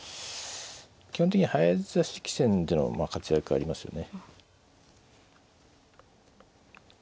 基本的には早指し棋戦での活躍ありますよね。